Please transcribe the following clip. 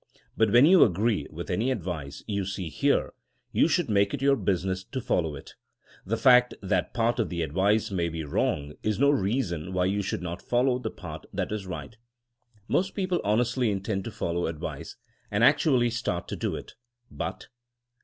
But when you agree with any advice you see here, you should make it your business to follow it. The fact that part of the advice may be wrong is no reason why you should not follow the part that is right. Most people honestly intend to follow advice, and actually start to do it, but